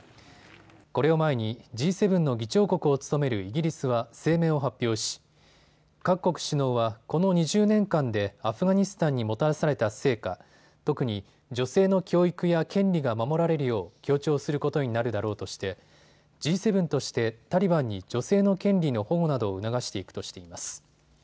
これを前にＧ７の議長国を務めるイギリスは声明を発表し各国首脳は、この２０年間でアフガニスタンにもたらされた成果、特に女性の教育や権利が守られるよう強調することになるだろうとして、Ｇ７としてタリバンに女性の権利の保護などを促していくとしています。